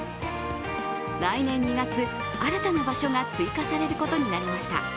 来年２月新たな場所が追加されることになりました。